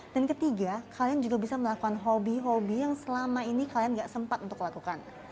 dan ketiga kalian juga bisa melakukan hobi hobi yang selama ini kalian tidak sempat untuk lakukan